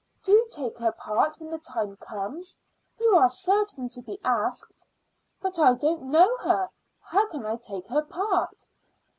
"Do take her part when the time comes. You are certain to be asked." "But I don't know her. How can I take her part?"